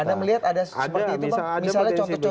ada melihat ada seperti itu pak